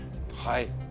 はい。